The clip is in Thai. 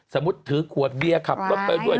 ถือขวดเบียร์ขับรถไปด้วย